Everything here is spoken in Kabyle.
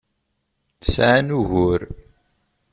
Sɛan ugur.